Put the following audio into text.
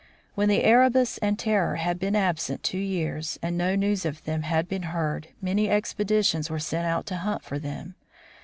When the Erebus and Terror had been absent two years, and no news of them had been heard, many expeditions were sent out to hunt for them.